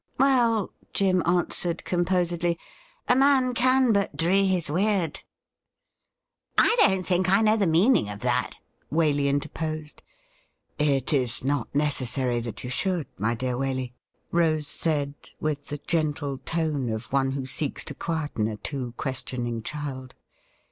' Well,' Jim answered composedly, ' a man can but dree his weird.' ' I don't think I know the meaning of that,' Waley interposed. ' It is not necessaiy that you should, my dear Waley,' Rose said, with the gentle tone of one who seeks to quieten a too questioning child.